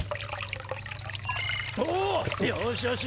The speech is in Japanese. ・おぉよしよし！